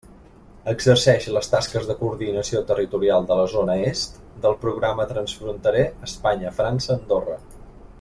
Exerceix les tasques de coordinació territorial de la zona est del Programa transfronterer Espanya-França-Andorra.